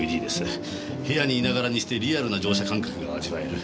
部屋にいながらにしてリアルな乗車感覚が味わえる。